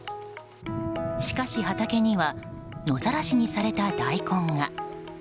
しかし、畑には野ざらしにされた大根が。